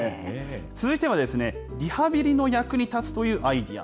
続いてはですね、リハビリの役に立つというアイデア。